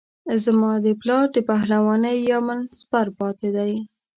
زما د پلار د پهلوانۍ یو من سپر پاته دی.